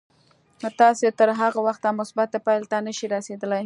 تاسې تر هغه وخته مثبتې پايلې ته نه شئ رسېدای.